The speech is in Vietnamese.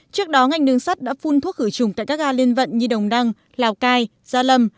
trước đó ngành đường sắt đã phun thuốc khử trùng tại các ga liên vận như đồng đăng lào cai gia lâm